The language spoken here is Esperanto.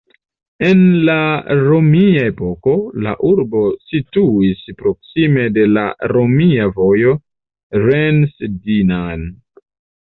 En la romia epoko, la urbo situis proksime de la romia vojo Rennes-Dinan.